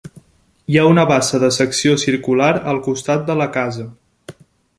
Hi ha una bassa de secció circular al costat de la casa.